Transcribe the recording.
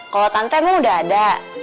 kalau tante memang udah ada